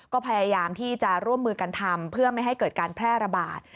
ก็พยายามที่จะร่วมมือกันทำเพื่อไม่ให้เกิดการแพร่ระบาด